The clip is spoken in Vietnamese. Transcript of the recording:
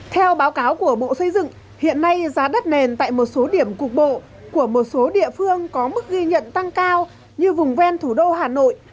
theo báo cáo của bộ xây dựng hiện nay giá đất nền tại một số điểm cục bộ của một số địa phương có mức ghi nhận tăng cao như vùng ven thủ đô hà nội